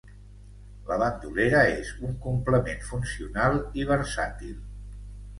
La bandolera és un complement funcional i versàtil.